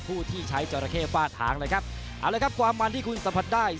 ผู้ที่ใช้จราเข้ฝ้าทางนะครับเอาเลยครับความมันที่คุณสัมผัสได้